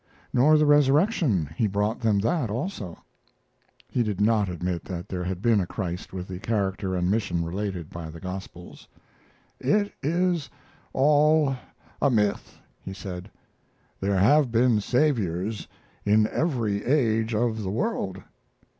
"Nor the resurrection. He brought them that, also." He did not admit that there had been a Christ with the character and mission related by the Gospels. "It is all a myth," he said. "There have been Saviours in every age of the world.